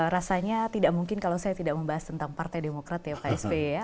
rasanya tidak mungkin kalau saya tidak membahas tentang partai demokrat ya pak sp ya